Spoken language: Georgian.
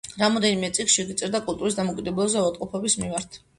რამდენიმე წიგნში იგი წერდა კულტურის დამოკიდებულებაზე ავადმყოფობის მიმართ.